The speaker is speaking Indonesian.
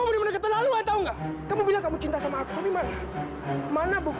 seseorang qualitative yang morale memang naik